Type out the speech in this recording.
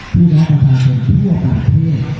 ทุกน้องอาฆาตรนทั่วประเทศ